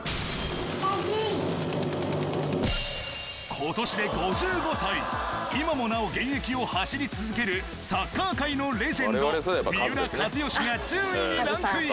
今年で５５歳今もなお現役を走り続けるサッカー界のレジェンド三浦知良が１０位にランクイン